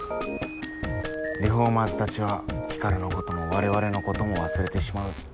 リフォーマーズたちはヒカルのことも我々のことも忘れてしまう。